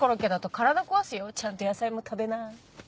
ちゃんと野菜も食べな。